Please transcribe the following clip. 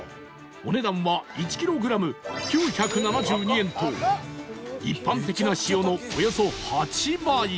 お値段は１キログラム９７２円と一般的な塩のおよそ８倍